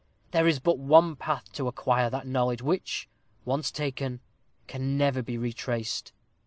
There is but one path to acquire that knowledge, which, once taken, can never be retraced.